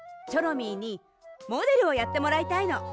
チョロミーにモデルをやってもらいたいの。